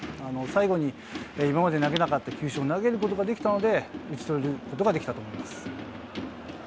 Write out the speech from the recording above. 最後に今まで投げなかった球種も投げることができたので、打ち取ることができたと思います。